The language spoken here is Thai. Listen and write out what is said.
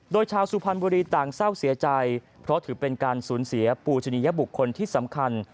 โดยชาวสุพรรณบุรีต่างเศร้าเสียใจเพราะถือเป็นการสูญเสียปูชนียบุคคลที่สำคัญ